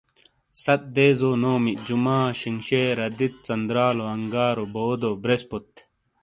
ست دیزو نومی جمعہ , شینگشیر، آدیت، ژندرالو ، انگارو ، بودو ، بریسپوت ۔